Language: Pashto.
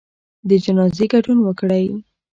د جنازې ګډون وکړئ